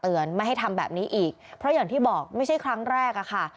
ไม่ให้ทำแบบนี้อีกเพราะอย่างที่บอกไม่ใช่ครั้งแรกอะค่ะ